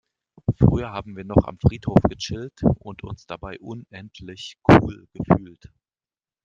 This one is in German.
Früher haben wir noch am Friedhof gechillt und uns dabei unendlich cool gefühlt.